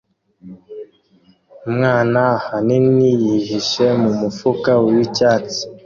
Umwana ahanini yihishe mumufuka wicyatsi